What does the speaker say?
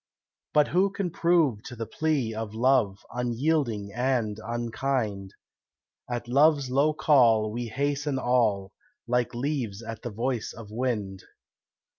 But who can prove to the plea of love, Unyielding and unkind? At love's low call we hasten all, Like leaves at the voice of wind.